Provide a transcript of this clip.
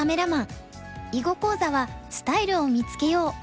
囲碁講座は「スタイルを見つけよう」をお送りします。